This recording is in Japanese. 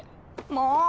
もう！